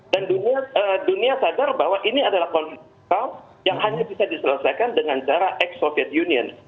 dan dunia sadar bahwa ini adalah konflik yang hanya bisa diselesaikan dengan cara ex soviet union